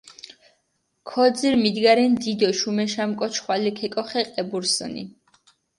ქოძირჷ მიგდენი დიდი ოშუმეშამი კოჩი ხვალე ქეკოხე ყებურსჷნი.